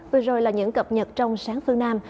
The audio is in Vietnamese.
vừa rồi là những cập nhật trong sáng phương nam